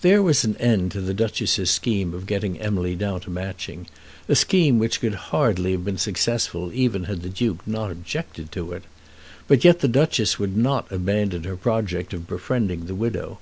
There was an end to the Duchess's scheme of getting Emily down to Matching, a scheme which could hardly have been successful even had the Duke not objected to it. But yet the Duchess would not abandon her project of befriending the widow.